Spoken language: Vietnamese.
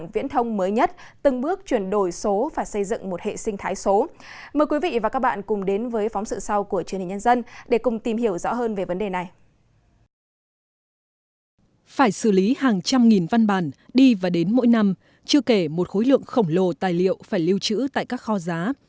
văn bản đi và đến mỗi năm chưa kể một khối lượng khổng lồ tài liệu phải lưu trữ tại các kho giá